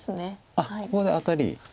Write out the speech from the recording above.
あっここでアタリ。